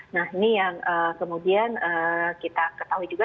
nah ini yang kemudian kita ketahui juga